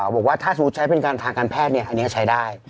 บอกว่าถ้าสมมุติใช้เป็นการทางการแพทย์อันนี้ใช้ได้